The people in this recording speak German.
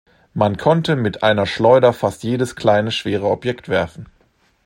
Man konnte mit einer Schleuder fast jedes kleine, schwere Objekt werfen.